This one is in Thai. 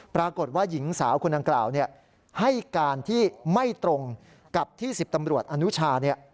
ปรากฏว่าหญิงสาวคนดังกล่าวให้การที่ไม่ตรงกับที่๑๐ตำรวจอนุชา